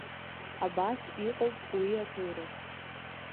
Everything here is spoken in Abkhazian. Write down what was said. Абас иҟоуп уи аҭоурых.